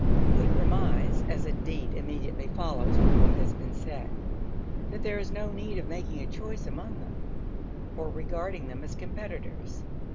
We premise (as indeed immediately follows from what has been said) that there is no need of making a choice among them or regarding them as competitors.